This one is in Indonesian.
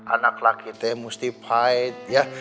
anak laki itu mesti berjuang